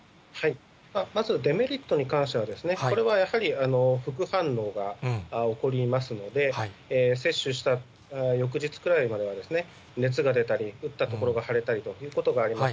まずデメリットに関しては、これはやはり副反応が起こりますので、接種した翌日くらいまでは、熱が出たり、打った所が腫れたりということがあります。